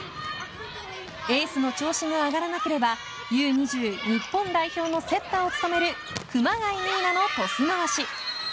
エースの調子が上がらなければＵ２０日本代表のセッターを務める熊谷仁依奈のトス回し。